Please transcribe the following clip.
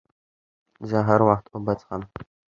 زه هر وخت اوبه څښم.